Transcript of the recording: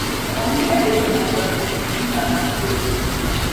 The only web-building members of the species are the females.